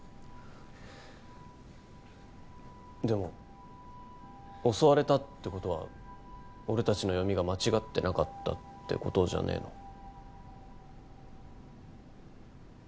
でも襲われたってことは俺たちの読みが間違ってなかったってことじゃねの？